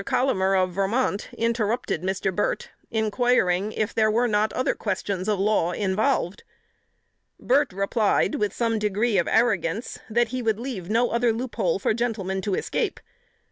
Collamer, of Vermont, interrupted Mr. Burt, inquiring, if there were not other questions of law involved? Burt replied, with some degree of arrogance, that he would "leave no other loop hole for gentlemen to escape."